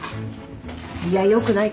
いや良くないか。